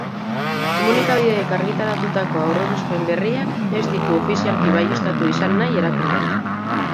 Komunikabideek argitaratutako aurreikuspen berriak ez ditu ofizialki baieztatu izan nahi erakundeak.